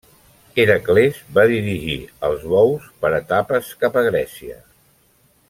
Hèracles va dirigir els bous per etapes cap a Grècia.